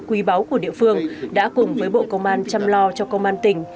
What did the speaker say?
quý báu của địa phương đã cùng với bộ công an chăm lo cho công an tỉnh